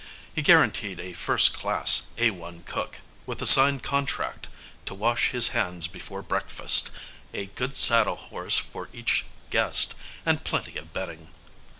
He guaranteed a first class A1 cook, with a signed contract to wash his hands before breakfast, a good saddle horse for each guest, and plenty of bedding.